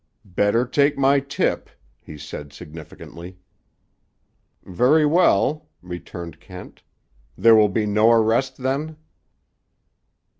"Better take my tip," he said significantly. "Very well," returned Kent. "There will be no arrest, then?"